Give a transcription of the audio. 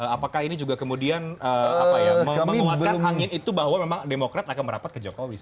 apakah ini juga kemudian menguatkan angin itu bahwa memang demokrat akan merapat ke jokowi